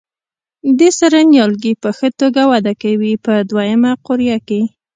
دې سره نیالګي په ښه توګه وده کوي په دوه یمه قوریه کې.